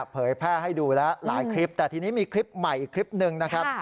เผยแพร่ให้ดูแล้วหลายคลิปแต่ทีนี้มีคลิปใหม่อีกคลิปหนึ่งนะครับ